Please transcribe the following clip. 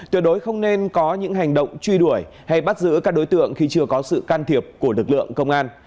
tuyệt đối không nên có những hành động truy đuổi hay bắt giữ các đối tượng khi chưa có sự can thiệp của lực lượng công an